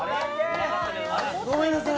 ごめんなさい！